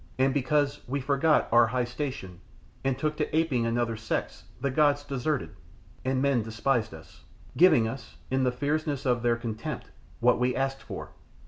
And because we forgot our high station and took to aping another sex the gods deserted and men despised us, giving us, in the fierceness of their contempt, what we asked for.